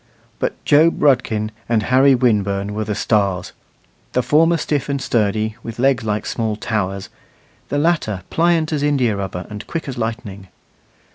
But Job Rudkin and Harry Winburn were the stars the former stiff and sturdy, with legs like small towers; the latter pliant as indiarubber and quick as lightning.